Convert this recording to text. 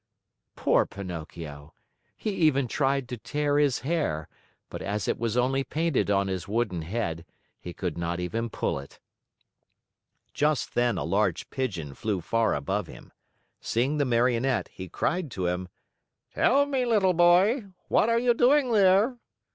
Poor Pinocchio! He even tried to tear his hair, but as it was only painted on his wooden head, he could not even pull it. Just then a large Pigeon flew far above him. Seeing the Marionette, he cried to him: "Tell me, little boy, what are you doing there?"